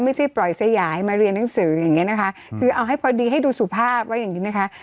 ไม่ใช่ปล่อยสยายมาเรียนหนังสืออย่างเงี้นะคะคือเอาให้พอดีให้ดูสุภาพไว้อย่างนี้นะคะ